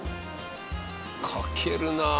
かけるなあ。